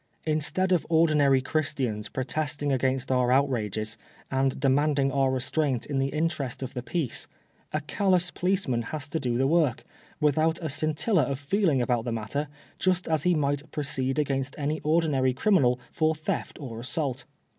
Instead of ordinary Christians protesting against our outrages, and demanding our restraint in the interest of the peace, a callous policeman has to do the work, without a scintilla of feeling about the matter, just as he might proceed against any ordinary criminal for theft or assault.